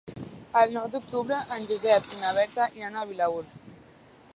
El nou d'octubre en Josep i na Berta iran a Vilaür.